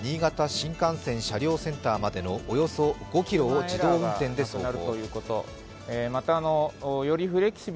新幹線車両センターまでのおよそ５ｋｍを自動運転で走行。